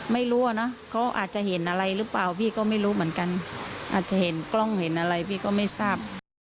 ไม่รู้ว่าเขาอาจจะเห็นอะไรหรือเปล่าพี่ก็ไม่รู้เหมือนกันอาจจะเห็นกล้องเห็นอะไรพี่ก็ไม่ทราบ